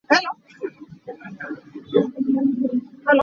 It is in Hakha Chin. Bawi nih chiahrin nungaak an rak ṭhit ve ko hna.